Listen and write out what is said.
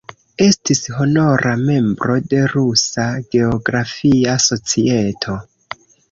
Estis honora membro de Rusa Geografia Societo.